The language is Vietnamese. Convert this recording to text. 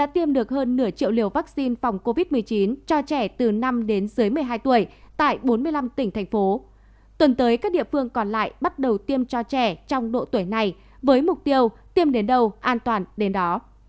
tuần tới các địa phương còn lại bắt đầu tiêm cho trẻ trong độ tuổi này với mục tiêu tiêm đến đâu an toàn đến đó